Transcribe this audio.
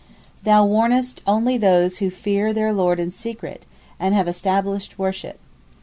Thou warnest only those who fear their Lord in secret, and have established worship.